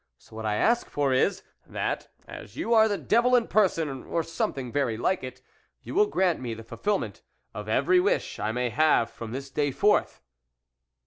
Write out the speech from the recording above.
So what I ask for is, that, as you are the devil in person or someone very like it, you will grant me the fulfilment of every wish I may have from this day forth."